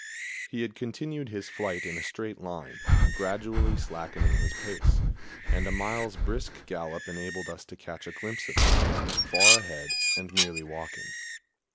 He had continued his flight in a straight line, gradually slackening his pace, and a mile's brisk gallop enabled us to catch a glimpse of him, far ahead and merely walking.